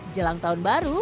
jelang tahun baru